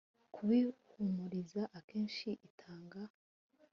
kubihumuriza akenshi itanga